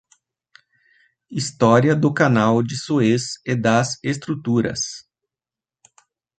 História do Canal de Suez e das estruturas